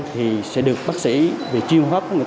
thì sẽ được bác sĩ về chiêu hóa của người ta